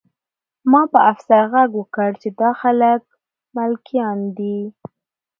ما په افسر غږ وکړ چې دا خلک ملکیان دي